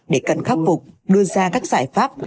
để cận khắc phục đưa ra các giải pháp